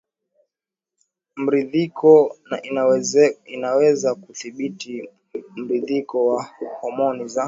mridhiko na inaweza kudhibiti mdhihiriko wa homoni za